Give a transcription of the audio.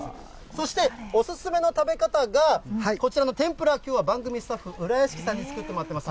そして、お勧めの食べ方が、こちらの天ぷら、きょうは番組スタッフ、浦屋敷さんに作ってもらってます。